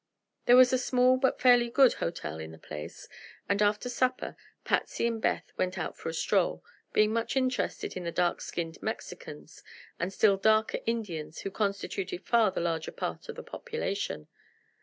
There was a small but fairly good hotel in the place, and after supper Patsy and Beth went out for a stroll, being much interested in the dark skinned Mexicans and still darker Indians who constituted far the larger part of the population.